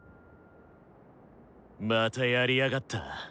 またやりやがった。